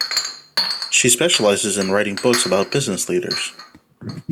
She specializes in writing books about business leaders.